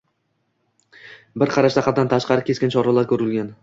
bir qarashda haddan tashqari keskin choralar ko‘rilgan.